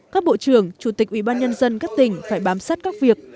các bộ trưởng chủ tịch ủy ban nhân dân các tỉnh phải bám sát các việc